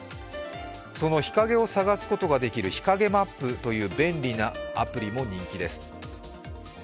その日陰を探すことができる日陰マップという便利なアプリも人気です。